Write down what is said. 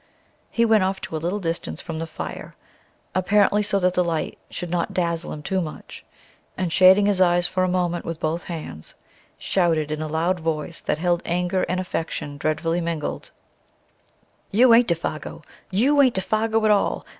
He went off to a little distance from the fire, apparently so that the light should not dazzle him too much, and shading his eyes for a moment with both hands, shouted in a loud voice that held anger and affection dreadfully mingled: "You ain't Défaygo! You ain't Défaygo at all!